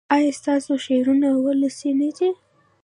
ایا ستاسو شعرونه ولسي نه دي؟